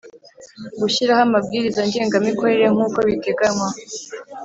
Gushyiraho Amabwiriza Ngengamikorere nk’ uko biteganywa